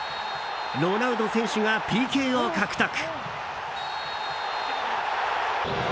ロナウド選手がＰＫを獲得。